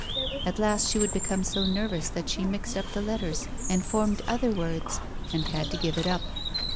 At last she would become so nervous that she mixed up the letters, and formed other words and had to give it up.